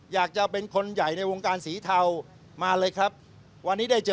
อยากจะเป็นคนใหญ่ในวงการสีเทามาเลยครับวันนี้ได้เจอ